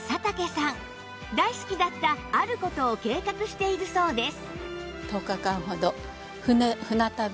大好きだったある事を計画しているそうです